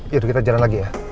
yuk kita jalan lagi ya